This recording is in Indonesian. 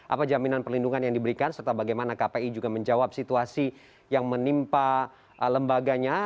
apa jaminan perlindungan yang diberikan serta bagaimana kpi juga menjawab situasi yang menimpa lembaganya